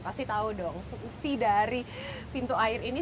pasti tahu dong fungsi dari pintu air ini